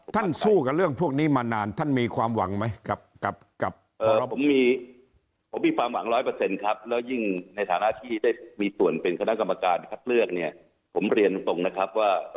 ท่านสู้กับเรื่องพวกนี้มานานท่านมีความหวังไหมครับ